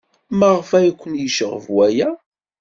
Maɣef ay ken-yecɣeb waya?